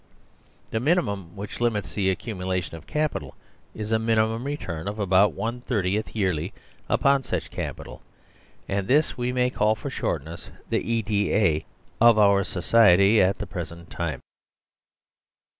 The minimum which limits the accumulation of capital is a mimimum return of about one thirtieth yearly upon such capital, and this we may call for shortness the " E.D.A." of our society at the present time.